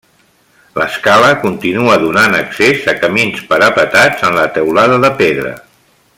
L'escala continua donant accés a camins parapetats en la teulada de pedra.